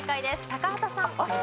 高畑さん。